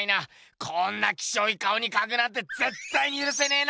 こんなキショイ顔にかくなんてぜったいにゆるせねぇな！